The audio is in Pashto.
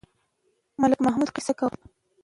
ملک محمد قصه کوله.